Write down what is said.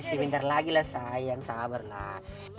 iya sebentar lagi lah sayang sabar lah